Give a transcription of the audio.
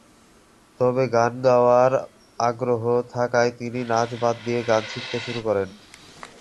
তবে গান গাওয়ার আগ্রহ থাকায় তিনি নাচ বাদ দিয়ে গান শিখতে শুরু করেন।